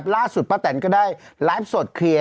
ป้าแตนก็ได้ไลฟ์สดเคลียร์